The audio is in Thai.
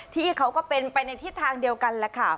ที่เขาก็เป็นไปในทิศทางเดียวกันแหละค่ะ